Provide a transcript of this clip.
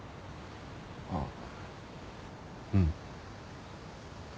ああうん。